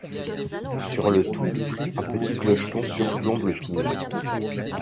Sur le tout, un petit clocheton surplombe le pignon.